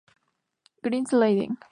Greens Landing